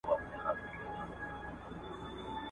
کوه نور غوندي ځلېږي یو غمی پکښي پیدا کړي ,